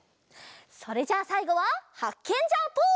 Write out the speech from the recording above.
それじゃあさいごはハッケンジャーポーズ！